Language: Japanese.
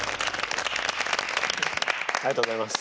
ありがとうございます。